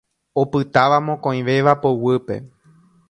Opytáva mokõivéva poguýpe.